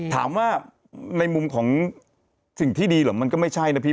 ถามว่าในมุมของสิ่งที่ดีเหรอมันก็ไม่ใช่นะพี่